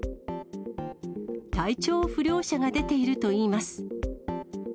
体調不良者が出ているといいます。